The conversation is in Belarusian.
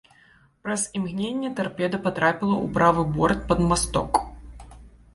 Праз імгненне тарпеда патрапіла ў правы борт пад масток.